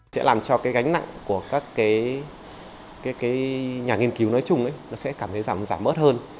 sẽ làm cho gánh nặng của các nhà nghiên cứu nói chung sẽ cảm thấy giảm ớt hơn